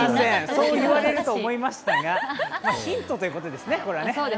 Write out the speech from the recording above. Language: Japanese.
そう言われると思いましたが、ヒントということですね。